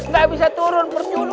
gak bisa turun